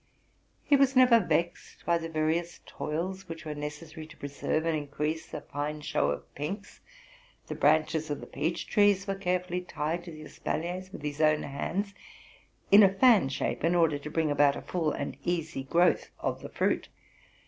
He was never vexed by the various toils which were necessary to preserve and increase a fine show of pinks. The branches of the peach trees were carefully tied to the espaliers with his own hands, in a fan shape, in order to bring about a full and easy growth of the fruit.